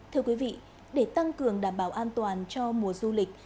thưa quý vị để tăng cường đảm bảo an toàn cho mùa du lịch